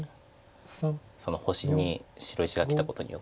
星に白石がきたことによって。